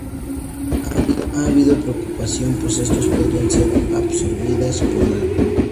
Ha habido preocupación pues estos podrían ser absorbidas por la piel.